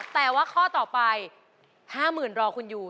แต่ว่าข้อต่อไป๕๐๐๐รอคุณอยู่